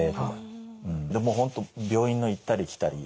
もう本当病院の行ったり来たり。